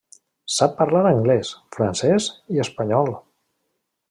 Sap parlar anglès, francès i espanyol.